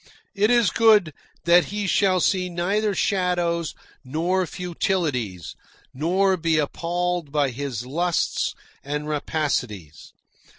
It is good that he shall see neither shadows nor futilities, nor be appalled by his lusts and rapacities.